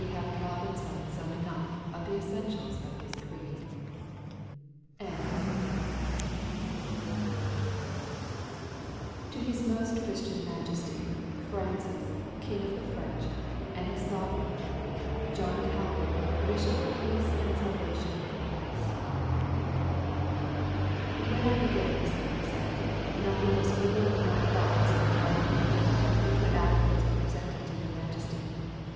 Amen. DEDICATION OF THE INSTITUTES OF THE CHRISTIAN RELIGION BY JOHN CALVIN (1536)[A] To His Most Christian Majesty, FRANCIS, King of the French, and his Sovereign, John Calvin wisheth peace and salvation in Christ. When I began this work, Sire, nothing was further from my thoughts than writing a book which would afterwards be presented to your Majesty.